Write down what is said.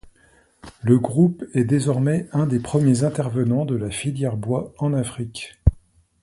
Le groupe est désormais un des premiers intervenants de la filière bois en Afrique.